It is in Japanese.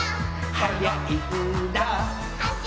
「はやいんだ」